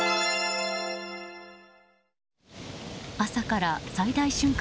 朝から最大瞬間